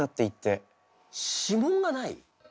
指紋がない？